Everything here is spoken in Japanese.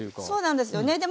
そうなんですよね。